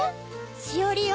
しおりよ